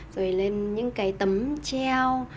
rồi lên những cái tấm treo